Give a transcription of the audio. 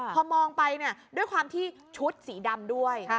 พอมองไปเนี่ยด้วยความที่ชุดสีดำด้วย